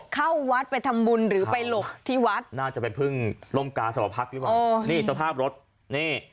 เข้าวัดไปทำบุญหรือไปหลบที่วัดน่าจะไปพึ่งร่มกาสวพักหรือเปล่านี่สภาพรถนี่